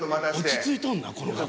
落ち着いとんなこの学校。